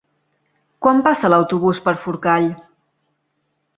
Quan passa l'autobús per Forcall?